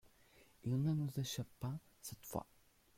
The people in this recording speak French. Il ne nous échappe pas, cette fois.